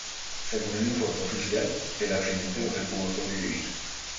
Según el informe oficial, el accidente no se pudo sobrevivir.